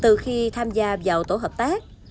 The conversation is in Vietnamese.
từ khi tham gia vào tổ hợp tác